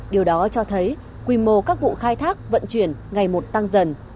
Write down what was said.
điều đó cho thấy quy mô các vụ khai thác vận chuyển ngày một tăng dần